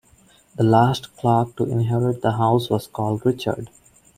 The last Clark to inherit the house was called Richard.